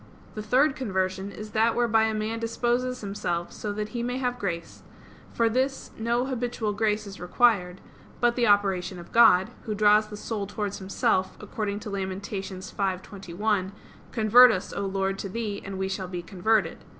The third conversion is that whereby a man disposes himself so that he may have grace; for this no habitual grace is required; but the operation of God, Who draws the soul towards Himself, according to Lament. 5:21: "Convert us, O Lord, to Thee, and we shall be converted."